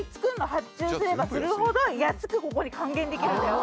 発注すればするほど安くここに還元できるんだよ。